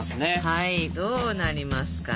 はいどうなりますかね。